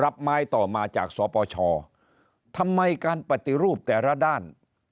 รับไม้ต่อมาจากสปชทำไมการปฏิรูปแต่ละด้าน